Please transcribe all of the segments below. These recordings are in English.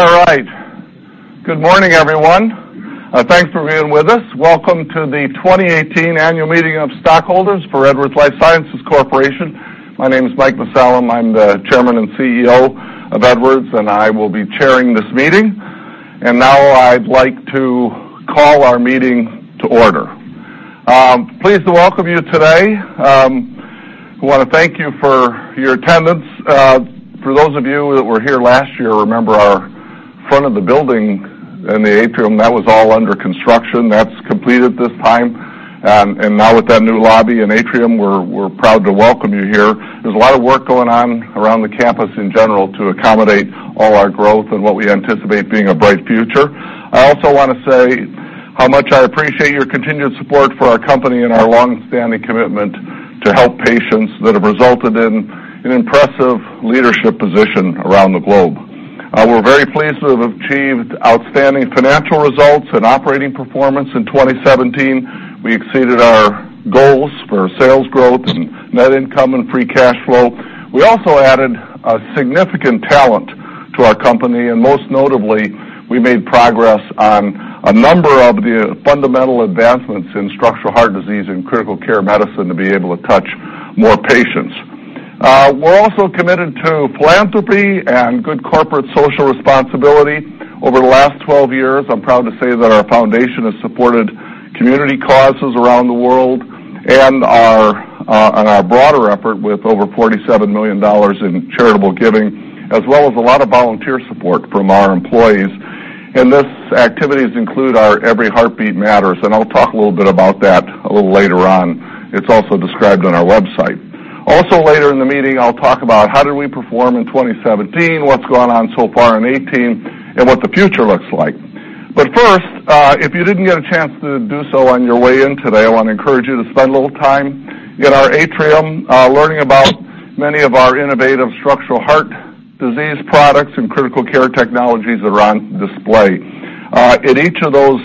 All right. Good morning, everyone. Thanks for being with us. Welcome to the 2018 Annual Meeting of Stockholders for Edwards Lifesciences Corporation. My name is Mike Mussallem. I'm the Chairman and CEO of Edwards, and I will be chairing this meeting. Now I'd like to call our meeting to order. Pleased to welcome you today. I want to thank you for your attendance. For those of you that were here last year, remember our front of the building in the atrium, that was all under construction. That's completed at this time, and now with that new lobby and atrium, we're proud to welcome you here. There's a lot of work going on around the campus in general to accommodate all our growth and what we anticipate being a bright future. I also want to say how much I appreciate your continued support for our company and our longstanding commitment to help patients that have resulted in an impressive leadership position around the globe. We're very pleased to have achieved outstanding financial results and operating performance in 2017. We exceeded our goals for sales growth and net income and free cash flow. We also added significant talent to our company, and most notably, we made progress on a number of the fundamental advancements in structural heart disease and critical care medicine to be able to touch more patients. We're also committed to philanthropy and good corporate social responsibility. Over the last 12 years, I'm proud to say that our foundation has supported community causes around the world and our broader effort with over $47 million in charitable giving, as well as a lot of volunteer support from our employees. These activities include our Every Heartbeat Matters, and I'll talk a little bit about that a little later on. It's also described on our website. Also later in the meeting, I'll talk about how did we perform in 2017, what's gone on so far in 2018, and what the future looks like. First, if you didn't get a chance to do so on your way in today, I want to encourage you to spend a little time in our atrium, learning about many of our innovative structural heart disease products and critical care technologies that are on display. In each of those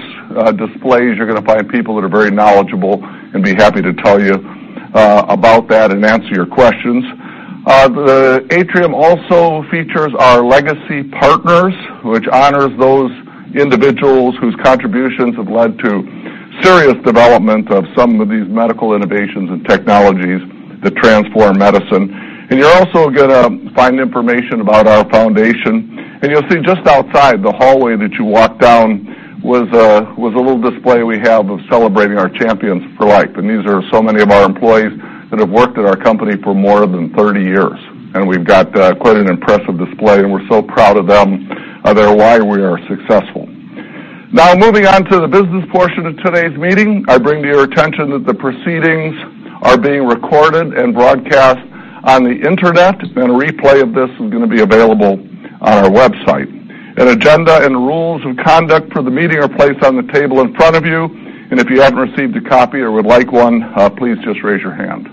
displays, you're going to find people that are very knowledgeable and be happy to tell you about that and answer your questions. The atrium also features our legacy partners, which honors those individuals whose contributions have led to serious development of some of these medical innovations and technologies that transform medicine. You're also going to find information about our foundation, and you'll see just outside the hallway that you walk down was a little display we have of celebrating our Champions for Life, and these are so many of our employees that have worked at our company for more than 30 years, and we've got quite an impressive display, and we're so proud of them. They're why we are successful. Now, moving on to the business portion of today's meeting, I bring to your attention that the proceedings are being recorded and broadcast on the internet, and a replay of this is going to be available on our website. An agenda and rules of conduct for the meeting are placed on the table in front of you, and if you haven't received a copy or would like one, please just raise your hand.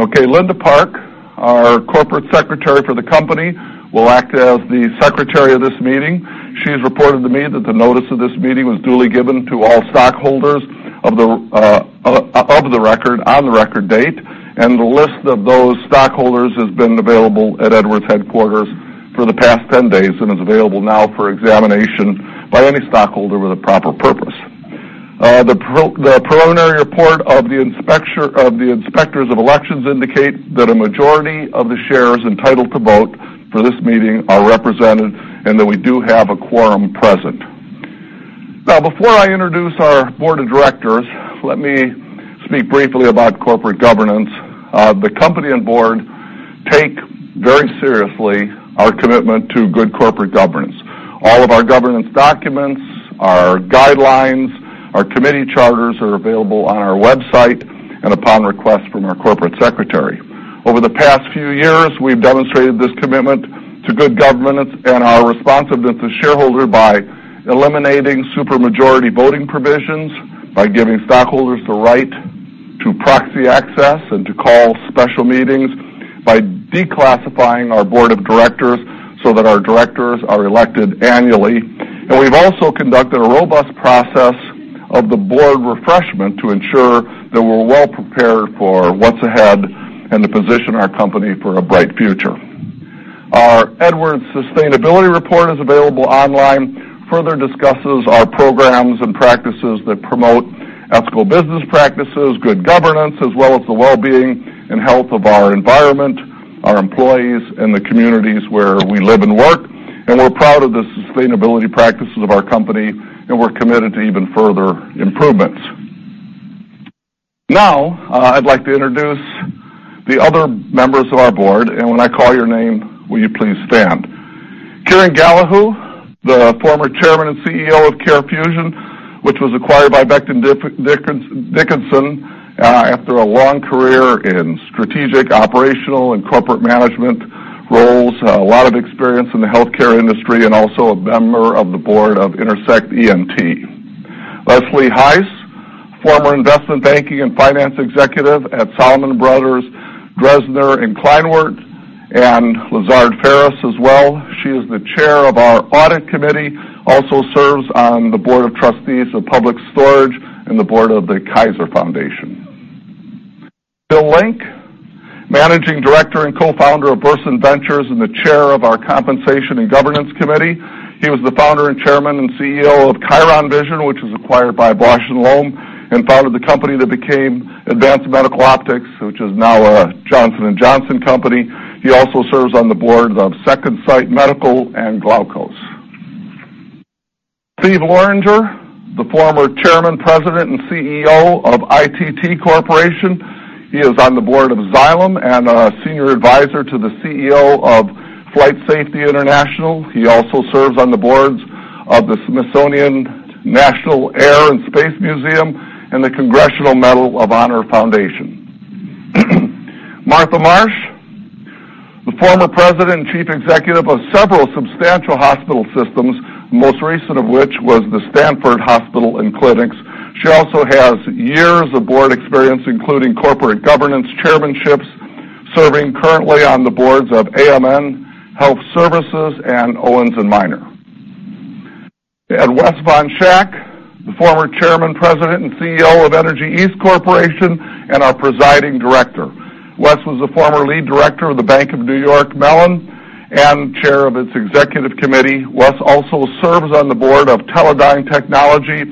Okay, Linda Park, our corporate secretary for the company, will act as the secretary of this meeting. She has reported to me that the notice of this meeting was duly given to all stockholders on the record date, and the list of those stockholders has been available at Edwards headquarters for the past 10 days and is available now for examination by any stockholder with a proper purpose. The preliminary report of the inspectors of elections indicate that a majority of the shares entitled to vote for this meeting are represented and that we do have a quorum present. Before I introduce our board of directors, let me speak briefly about corporate governance. The company and board take very seriously our commitment to good corporate governance. All of our governance documents, our guidelines, our committee charters are available on our website and upon request from our corporate secretary. Over the past few years, we've demonstrated this commitment to good governance and our responsiveness to shareholders by eliminating super majority voting provisions, by giving stockholders the right to proxy access and to call special meetings, by declassifying our board of directors so that our directors are elected annually. We've also conducted a robust process of the board refreshment to ensure that we're well prepared for what's ahead and to position our company for a bright future. Our Edwards Sustainability Report is available online, further discusses our programs and practices that promote ethical business practices, good governance, as well as the wellbeing and health of our environment, our employees, and the communities where we live and work. We're proud of the sustainability practices of our company, and we're committed to even further improvements. I'd like to introduce the other members of our board, and when I call your name, will you please stand? Kieran Gallahue, the former chairman and CEO of CareFusion, which was acquired by Becton Dickinson, after a long career in strategic, operational, and corporate management roles, a lot of experience in the healthcare industry, and also a member of the board of Intersect ENT. Leslie S. Heisz, former investment banking and finance executive at Salomon Brothers, Dresdner, and Kleinwort, and Lazard Frères as well. She is the chair of our audit committee, also serves on the board of trustees of Public Storage and the board of the Kaiser Foundation. Bill Link, Managing Director and Co-founder of Versant Ventures and the Chair of our Compensation and Governance Committee. He was the founder and chairman and CEO of Chiron Vision, which was acquired by Bausch + Lomb, and founded the company that became Advanced Medical Optics, which is now a Johnson & Johnson company. He also serves on the boards of Second Sight Medical and Glaukos. Steven R. Loranger, the former chairman, president, and CEO of ITT Corporation. He is on the board of Xylem and a senior advisor to the CEO of FlightSafety International. He also serves on the boards of the Smithsonian National Air and Space Museum and the Congressional Medal of Honor Foundation. Martha Marsh, the former president and chief executive of several substantial hospital systems, most recent of which was the Stanford Hospital & Clinics. She also has years of board experience, including corporate governance chairmanships, serving currently on the boards of AMN Healthcare Services and Owens & Minor. Wes von Schack, the former chairman, president, and CEO of Energy East Corporation, and our presiding director. Wes was a former lead director of The Bank of New York Mellon and chair of its executive committee. Wes also serves on the board of Teledyne Technologies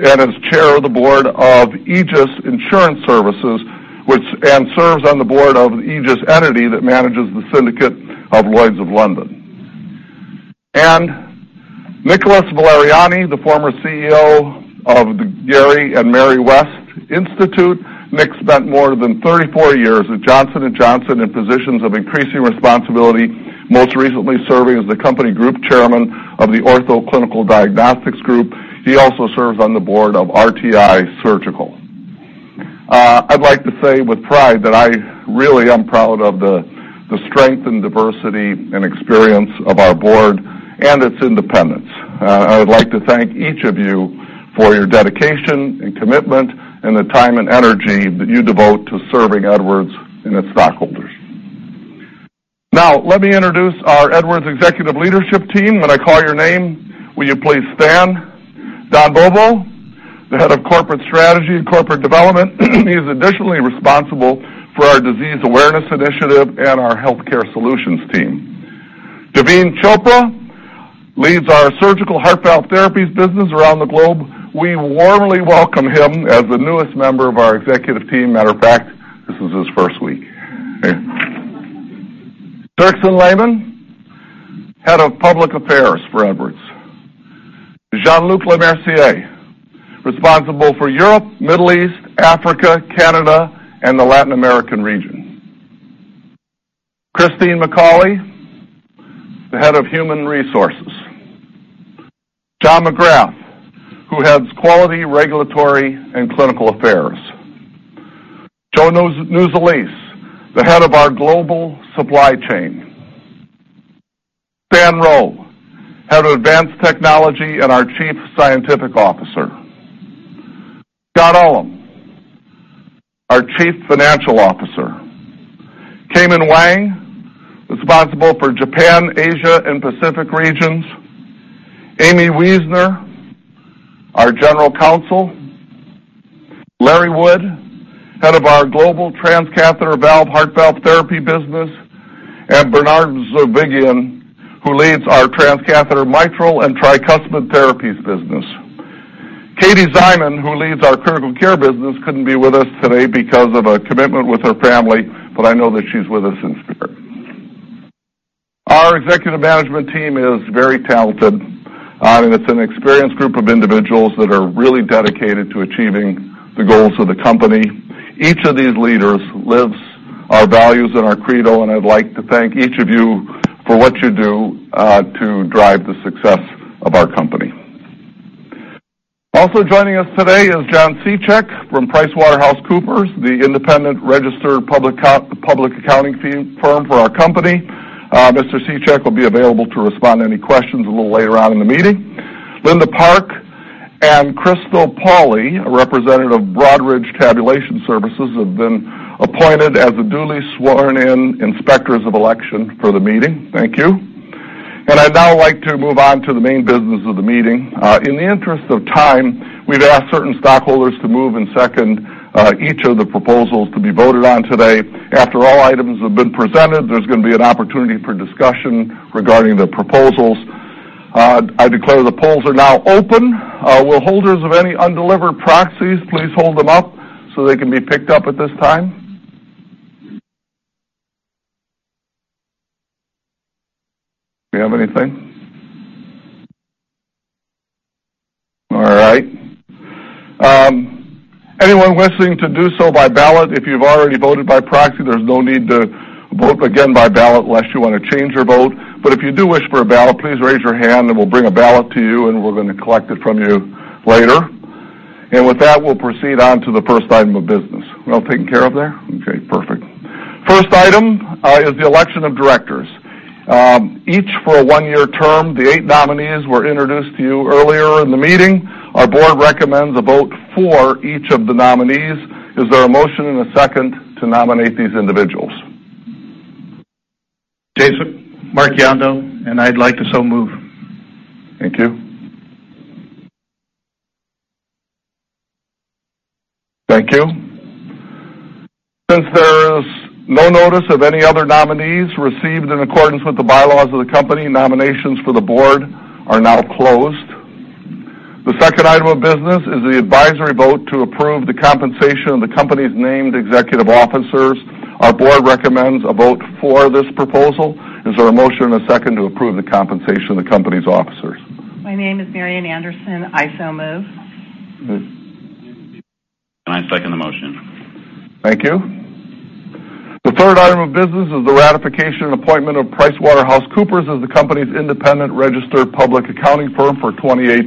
and is chair of the board of AEGIS Insurance Services, and serves on the board of the AEGIS entity that manages the syndicate of Lloyd's of London. Nicholas Valeriani, the former CEO of the Gary and Mary West Health Institute. Nick spent more than 34 years at Johnson & Johnson in positions of increasing responsibility, most recently serving as the company group chairman of the Ortho Clinical Diagnostics group. He also serves on the board of RTI Surgical. I'd like to say with pride that I really am proud of the strength and diversity and experience of our board and its independence. I would like to thank each of you for your dedication and commitment, and the time and energy that you devote to serving Edwards and its stockholders. Now, let me introduce our Edwards executive leadership team. When I call your name, will you please stand? Don Bobo, the head of Corporate Strategy and Corporate Development. He is additionally responsible for our disease awareness initiative and our healthcare solutions team. Davinder Chopra leads our surgical heart valve therapies business around the globe. We warmly welcome him as the newest member of our executive team. Matter of fact, this is his first week. Dirksen Lehman, head of Public Affairs for Edwards. Jean-Luc Lemercier, responsible for Europe, Middle East, Africa, Canada, and the Latin American region. Christine McCauley, the head of Human Resources. John McGrath, who heads Quality, Regulatory, and Clinical Affairs. Joe Nuzzolese, the head of our global supply chain. Stan Rowe, head of Advanced Technology and our Chief Scientific Officer. Scott Ullem, our Chief Financial Officer. Huimin Wang, responsible for Japan, Asia, and Pacific regions. Aimee Weisner, our General Counsel. Larry Wood, head of our global Transcatheter Heart Valve Therapy business, and Bernard Zovighian, who leads our Transcatheter Mitral and Tricuspid Therapies business. Katie Szyman, who leads our Critical Care business, couldn't be with us today because of a commitment with her family, but I know that she's with us in spirit. Our executive management team is very talented, and it's an experienced group of individuals that are really dedicated to achieving the goals of the company. Each of these leaders lives our values and our credo, and I'd like to thank each of you for what you do to drive the success of our company. Also joining us today is John Sichak from PricewaterhouseCoopers, the independent registered public accounting firm for our company. Mr. Seichek will be available to respond to any questions a little later on in the meeting. Linda Park and Crystal Pauley, a representative of Broadridge Tabulation Services, have been appointed as the duly sworn-in inspectors of election for the meeting. Thank you. I'd now like to move on to the main business of the meeting. In the interest of time, we'd ask certain stockholders to move and second each of the proposals to be voted on today. After all items have been presented, there's going to be an opportunity for discussion regarding the proposals. I declare the polls are now open. Will holders of any undelivered proxies please hold them up so they can be picked up at this time? Do you have anything? All right. Anyone wishing to do so by ballot, if you've already voted by proxy, there's no need to vote again by ballot unless you want to change your vote. If you do wish for a ballot, please raise your hand and we'll bring a ballot to you, and we're going to collect it from you later. With that, we'll proceed on to the first item of business. We're all taken care of there? Okay, perfect. First item is the election of directors. Each for a one-year term. The eight nominees were introduced to you earlier in the meeting. Our board recommends a vote for each of the nominees. Is there a motion and a second to nominate these individuals? Jason, Mark Yando, I'd like to so move. Thank you. Thank you. Since there is no notice of any other nominees received in accordance with the bylaws of the company, nominations for the board are now closed. The second item of business is the advisory vote to approve the compensation of the company's named executive officers. Our board recommends a vote for this proposal. Is there a motion and a second to approve the compensation of the company's officers? My name is Marian Anderson. I so move. I second the motion. Thank you. The third item of business is the ratification and appointment of PricewaterhouseCoopers as the company's independent registered public accounting firm for 2018.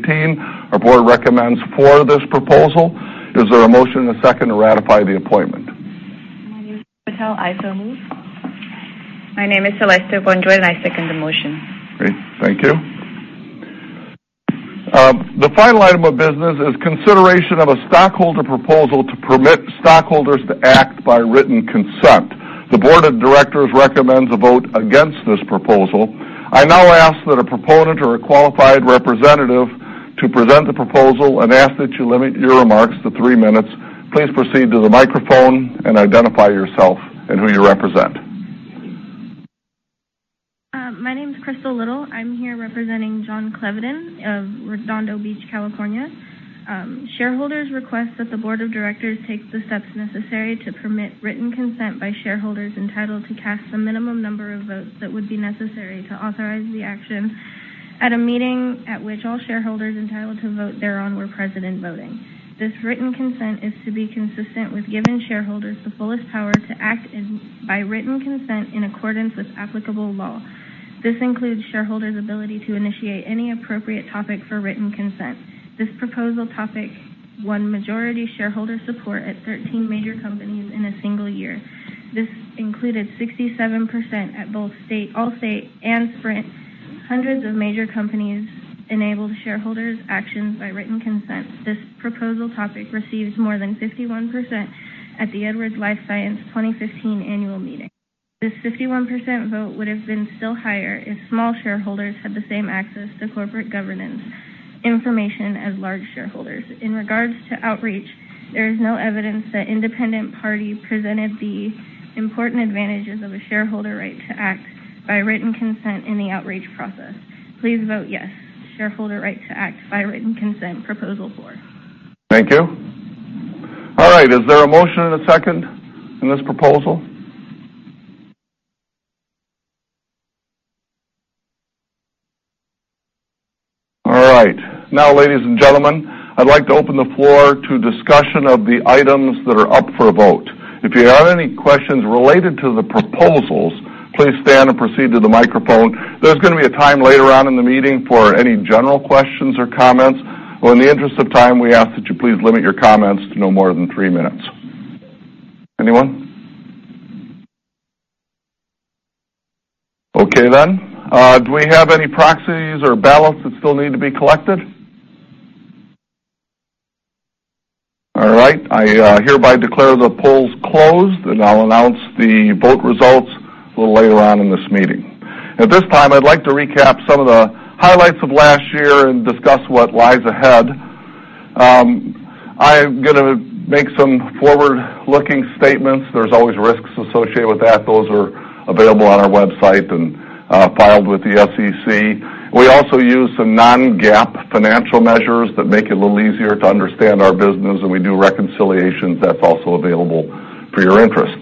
Our board recommends for this proposal. Is there a motion and a second to ratify the appointment? My name is Patel. I so move. My name is Celesta Bondroid, I second the motion. Great. Thank you. The final item of business is consideration of a stockholder proposal to permit stockholders to act by written consent. The board of directors recommends a vote against this proposal. I now ask that a proponent or a qualified representative to present the proposal and ask that you limit your remarks to three minutes. Please proceed to the microphone and identify yourself and who you represent. My name's Crystal Little. I'm here representing John Chevedden of Redondo Beach, California. Shareholders request that the board of directors take the steps necessary to permit written consent by shareholders entitled to cast the minimum number of votes that would be necessary to authorize the action at a meeting at which all shareholders entitled to vote thereon were present and voting. This written consent is to be consistent with giving shareholders the fullest power to act by written consent in accordance with applicable law. This includes shareholders' ability to initiate any appropriate topic for written consent. This proposal topic won majority shareholder support at 13 major companies in a single year. This included 67% at Allstate and Sprint. Hundreds of major companies enabled shareholders actions by written consent. This proposal topic receives more than 51% at the Edwards Lifesciences 2015 annual meeting. This 51% vote would have been still higher if small shareholders had the same access to corporate governance information as large shareholders. In regards to outreach, there is no evidence that independent party presented the important advantages of a shareholder right to act by written consent in the outreach process. Please vote yes. Shareholder right to act by written consent, proposal four. Thank you. All right. Is there a motion and a second on this proposal? All right. Ladies and gentlemen, I'd like to open the floor to discussion of the items that are up for a vote. If you have any questions related to the proposals, please stand and proceed to the microphone. There's going to be a time later on in the meeting for any general questions or comments. In the interest of time, we ask that you please limit your comments to no more than three minutes. Anyone? Okay. Do we have any proxies or ballots that still need to be collected? All right. I hereby declare the polls closed, and I'll announce the vote results a little later on in this meeting. At this time, I'd like to recap some of the highlights of last year and discuss what lies ahead. I'm going to make some forward-looking statements. There's always risks associated with that. Those are available on our website and filed with the SEC. We also use some non-GAAP financial measures that make it a little easier to understand our business, and we do reconciliations. That's also available for your interest.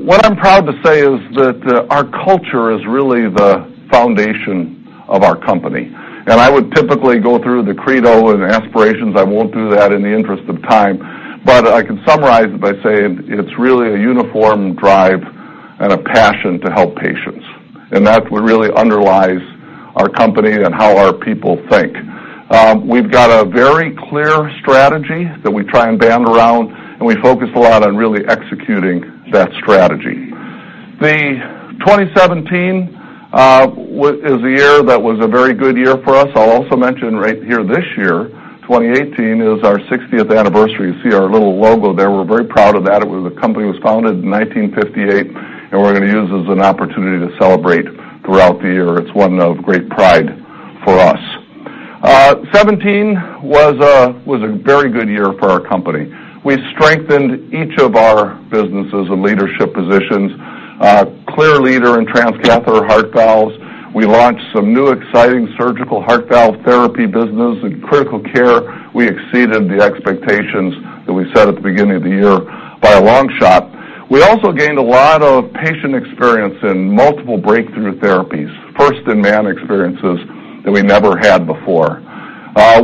What I'm proud to say is that our culture is really the foundation of our company. I would typically go through the credo and aspirations. I won't do that in the interest of time, but I can summarize it by saying it's really a uniform drive and a passion to help patients. That's what really underlies our company and how our people think. We've got a very clear strategy that we try and band around. We focus a lot on really executing that strategy. 2017 is a year that was a very good year for us. I'll also mention right here this year, 2018, is our 60th anniversary. You see our little logo there. We're very proud of that. The company was founded in 1958. We're going to use it as an opportunity to celebrate throughout the year. It's one of great pride for us. 2017 was a very good year for our company. We strengthened each of our businesses and leadership positions. Clear leader in transcatheter heart valves. We launched some new exciting surgical heart valve therapy business. In critical care, we exceeded the expectations that we set at the beginning of the year by a long shot. We also gained a lot of patient experience in multiple breakthrough therapies, first-in-man experiences that we never had before.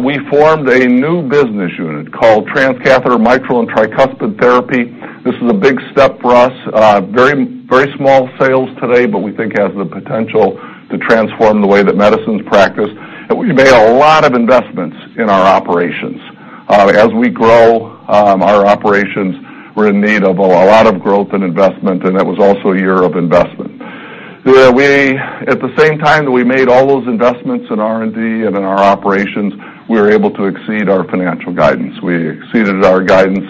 We formed a new business unit called Transcatheter Mitral and Tricuspid Therapies. This is a big step for us. Very small sales today. We think has the potential to transform the way that medicine's practiced. We made a lot of investments in our operations. As we grow our operations, we're in need of a lot of growth and investment. It was also a year of investment. At the same time that we made all those investments in R&D and in our operations, we were able to exceed our financial guidance. We exceeded our guidance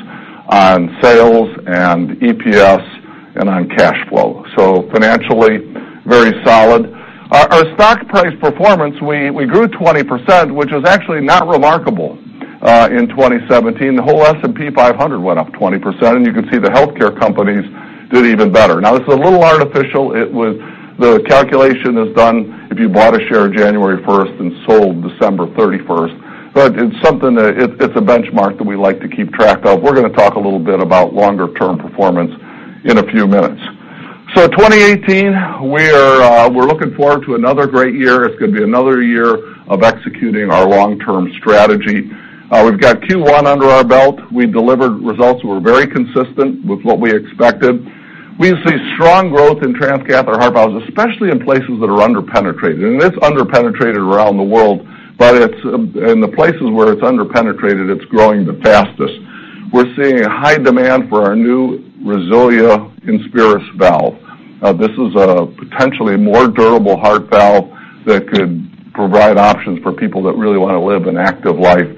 on sales and EPS and on cash flow. Financially, very solid. Our stock price performance, we grew 20%, which is actually not remarkable in 2017. The whole S&P 500 went up 20%. You can see the healthcare companies did even better. This is a little artificial. The calculation is done if you bought a share January 1st and sold December 31st. It's a benchmark that we like to keep track of. We're going to talk a little bit about longer-term performance in a few minutes. 2018, we're looking forward to another great year. It's going to be another year of executing our long-term strategy. We've got Q1 under our belt. We delivered results that were very consistent with what we expected. We see strong growth in transcatheter heart valves, especially in places that are under-penetrated, and it's under-penetrated around the world. In the places where it's under-penetrated, it's growing the fastest. We're seeing a high demand for our new INSPIRIS RESILIA valve. This is a potentially more durable heart valve that could provide options for people that really want to live an active life.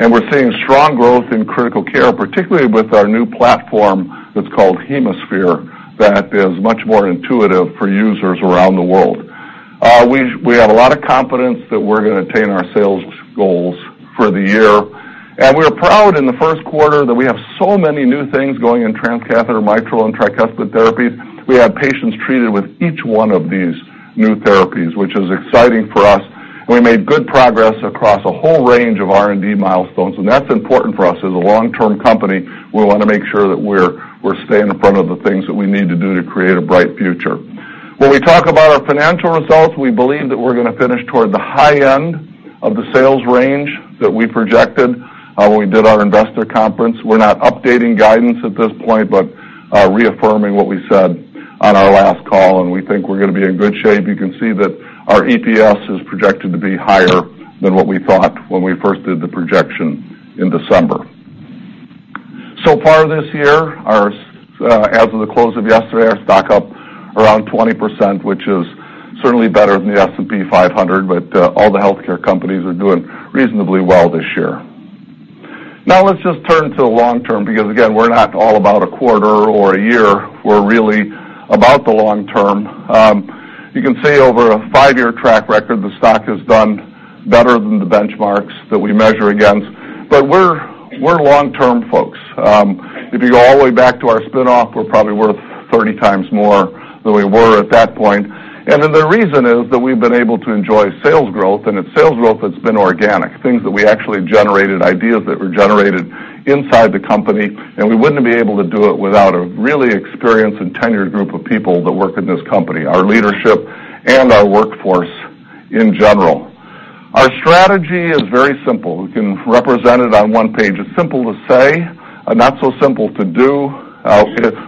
We're seeing strong growth in Critical Care, particularly with our new platform that's called HemoSphere, that is much more intuitive for users around the world. We have a lot of confidence that we're going to attain our sales goals for the year, and we're proud in the first quarter that we have so many new things going in Transcatheter Mitral and Tricuspid Therapies. We have patients treated with each one of these new therapies, which is exciting for us, and we made good progress across a whole range of R&D milestones. That's important for us. As a long-term company, we want to make sure that we're staying in front of the things that we need to do to create a bright future. When we talk about our financial results, we believe that we're going to finish toward the high end of the sales range that we projected when we did our investor conference. We're not updating guidance at this point, but reaffirming what we said on our last call, and we think we're going to be in good shape. You can see that our EPS is projected to be higher than what we thought when we first did the projection in December. Far this year, as of the close of yesterday, our stock up around 20%, which is certainly better than the S&P 500, but all the healthcare companies are doing reasonably well this year. Let's just turn to the long term because, again, we're not all about a quarter or a year. We're really about the long term. You can see over a five-year track record, the stock has done better than the benchmarks that we measure against. We're long-term folks. If you go all the way back to our spinoff, we're probably worth 30 times more than we were at that point, the reason is that we've been able to enjoy sales growth, and it's sales growth that's been organic, things that we actually generated, ideas that were generated inside the company, and we wouldn't be able to do it without a really experienced and tenured group of people that work in this company, our leadership and our workforce in general. Our strategy is very simple. We can represent it on one page. It's simple to say and not so simple to do.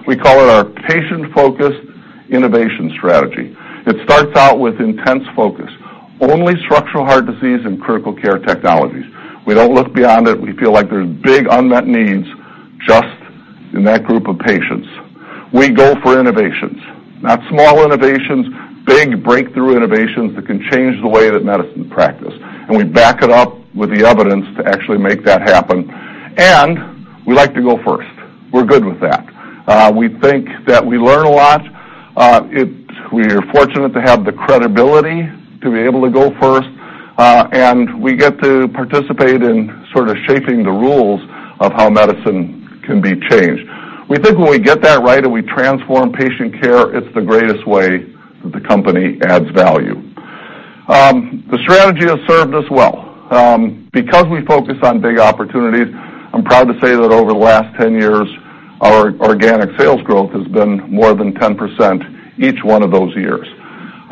We call it our patient-focused innovation strategy. It starts out with intense focus. Only structural heart disease and Critical Care technologies. We don't look beyond it. We feel like there's big unmet needs just in that group of patients. We go for innovations, not small innovations, big breakthrough innovations that can change the way that medicine is practiced. We back it up with the evidence to actually make that happen, and we like to go first. We're good with that. We think that we learn a lot. We are fortunate to have the credibility to be able to go first, and we get to participate in sort of shaping the rules of how medicine can be changed. We think when we get that right and we transform patient care, it's the greatest way that the company adds value. The strategy has served us well. Because we focus on big opportunities, I'm proud to say that over the last 10 years, our organic sales growth has been more than 10% each one of those years.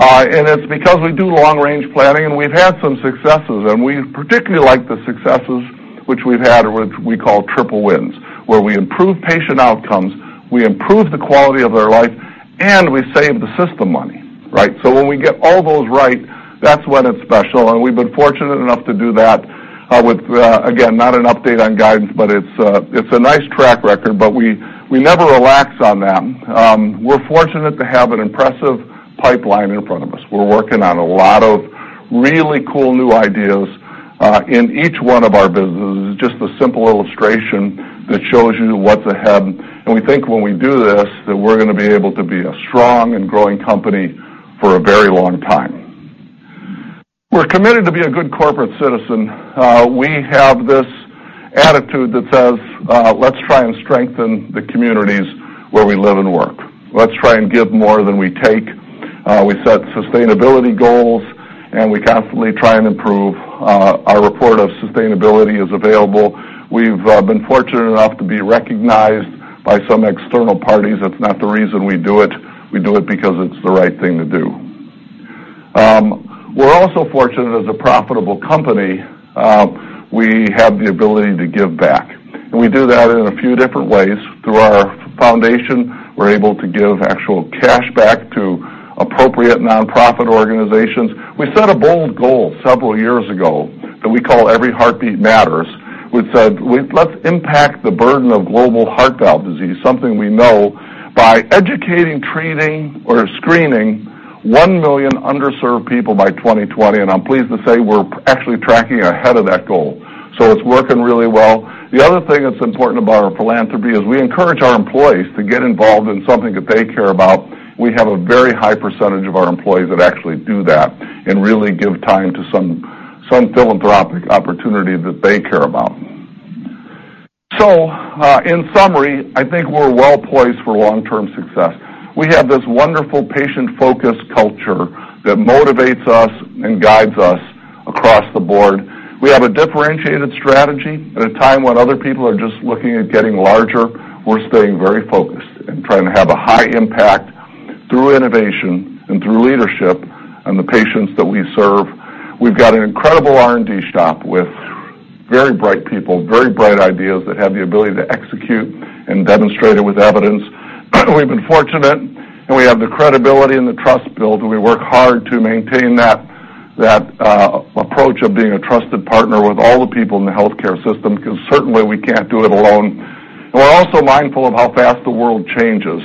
It's because we do long-range planning, and we've had some successes, and we particularly like the successes which we've had or which we call triple wins, where we improve patient outcomes, we improve the quality of their life, and we save the system money. Right? When we get all those right, that's when it's special, and we've been fortunate enough to do that with, again, not an update on guidance, but it's a nice track record, but we never relax on them. We're fortunate to have an impressive pipeline in front of us. We're working on a lot of really cool new ideas, in each one of our businesses. This is just a simple illustration that shows you what's ahead, and we think when we do this that we're going to be able to be a strong and growing company for a very long time. We're committed to be a good corporate citizen. We have this attitude that says, let's try and strengthen the communities where we live and work. Let's try and give more than we take. We set sustainability goals, and we constantly try and improve. Our report of sustainability is available. We've been fortunate enough to be recognized by some external parties. That's not the reason we do it. We do it because it's the right thing to do. We're also fortunate as a profitable company. We have the ability to give back, and we do that in a few different ways. Through our foundation, we're able to give actual cash back to appropriate nonprofit organizations. We set a bold goal several years ago that we call Every Heartbeat Matters. We said, let's impact the burden of global heart valve disease, something we know- By educating, treating, or screening 1 million underserved people by 2020, and I'm pleased to say we're actually tracking ahead of that goal. It's working really well. The other thing that's important about our philanthropy is we encourage our employees to get involved in something that they care about. We have a very high percentage of our employees that actually do that and really give time to some philanthropic opportunity that they care about. In summary, I think we're well-poised for long-term success. We have this wonderful patient-focused culture that motivates us and guides us across the board. We have a differentiated strategy. At a time when other people are just looking at getting larger, we're staying very focused and trying to have a high impact through innovation and through leadership and the patients that we serve. We've got an incredible R&D shop with very bright people, very bright ideas that have the ability to execute and demonstrate it with evidence. We've been fortunate, and we have the credibility and the trust built, and we work hard to maintain that approach of being a trusted partner with all the people in the healthcare system, because certainly we can't do it alone. We're also mindful of how fast the world changes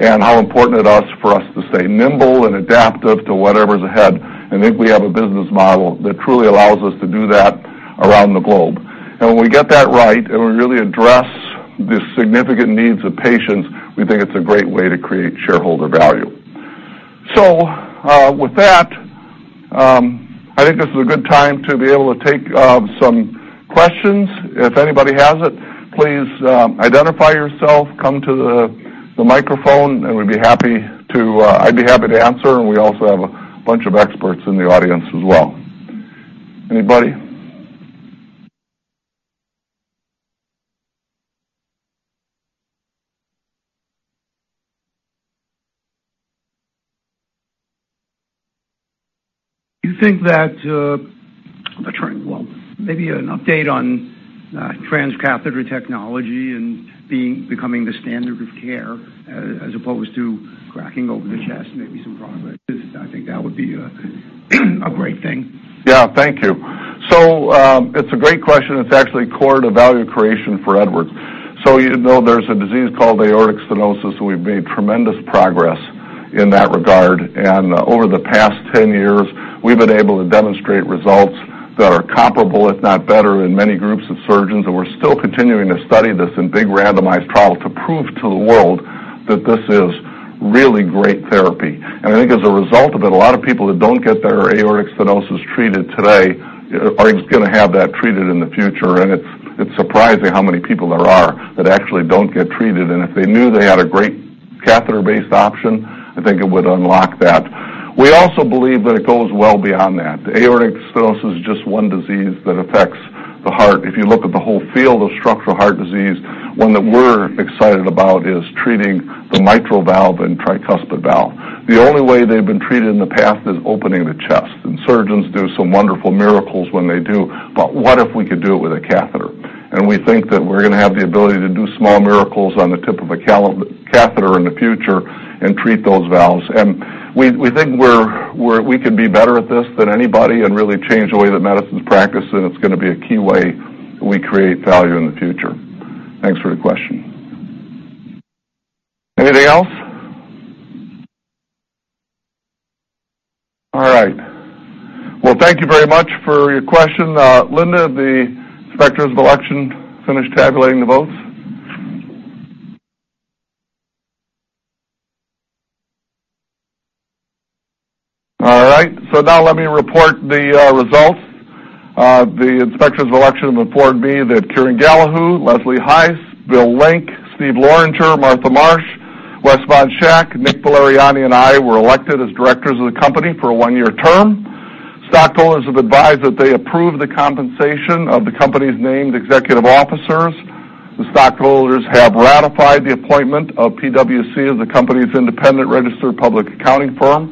and how important it is for us to stay nimble and adaptive to whatever's ahead, and think we have a business model that truly allows us to do that around the globe. When we get that right and we really address the significant needs of patients, we think it's a great way to create shareholder value. With that, I think this is a good time to be able to take some questions. If anybody has it, please identify yourself, come to the microphone and I'd be happy to answer, and we also have a bunch of experts in the audience as well. Anybody? Maybe an update on transcatheter technology and becoming the standard of care as opposed to cracking open the chest, maybe some progress. I think that would be a great thing. Yeah. Thank you. It's a great question. It's actually core to value creation for Edwards. You know there's a disease called aortic stenosis, and we've made tremendous progress in that regard. Over the past 10 years, we've been able to demonstrate results that are comparable, if not better, in many groups of surgeons. We're still continuing to study this in big randomized trials to prove to the world that this is really great therapy. I think as a result of it, a lot of people that don't get their aortic stenosis treated today are going to have that treated in the future. It's surprising how many people there are that actually don't get treated. If they knew they had a great catheter-based option, I think it would unlock that. We also believe that it goes well beyond that. Aortic stenosis is just one disease that affects the heart. If you look at the whole field of structural heart disease, one that we're excited about is treating the mitral valve and tricuspid valve. The only way they've been treated in the past is opening the chest, and surgeons do some wonderful miracles when they do. What if we could do it with a catheter? We think that we're going to have the ability to do small miracles on the tip of a catheter in the future and treat those valves. We think we could be better at this than anybody and really change the way that medicine's practiced, and it's going to be a key way we create value in the future. Thanks for the question. Anything else? All right. Thank you very much for your question. Linda, have the inspectors of election finished tabulating the votes? Now let me report the results. The inspectors of election have informed me that Kieran Gallahue, Leslie Heisz, Bill Link, Steve Loranger, Martha Marsh, Wes von Schack, Nick Valeriani, and I were elected as directors of the company for a one-year term. Stockholders have advised that they approve the compensation of the company's named executive officers. The stockholders have ratified the appointment of PwC as the company's independent registered public accounting firm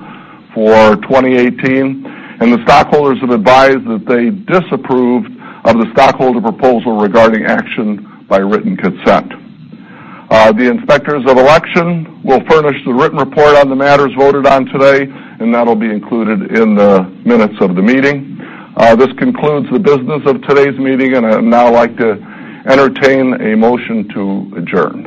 for 2018. The stockholders have advised that they disapproved of the stockholder proposal regarding action by written consent. The inspectors of election will furnish the written report on the matters voted on today, and that'll be included in the minutes of the meeting. This concludes the business of today's meeting, and I'd now like to entertain a motion to adjourn.